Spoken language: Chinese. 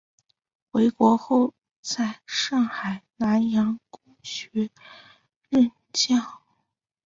回国后在上海南洋公学任教。